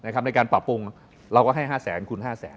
ในการปรับปรุงเราก็ให้๕แสนคุณ๕แสน